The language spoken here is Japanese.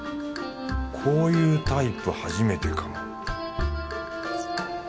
こういうタイプ初めてかも